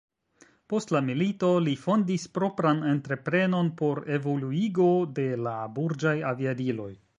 Post la milito, li fondis propran entreprenon por evoluigo de la burĝaj aviadiloj.